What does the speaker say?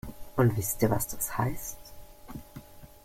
Und wisst ihr, was das heißt?